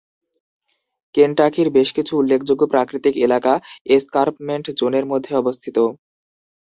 কেনটাকির বেশ কিছু উল্লেখযোগ্য প্রাকৃতিক এলাকা এসকার্পমেন্ট জোনের মধ্যে অবস্থিত।